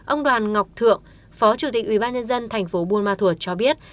ông đoàn ngọc thượng phó chủ tịch ubnd tp buôn ma thuột cho biết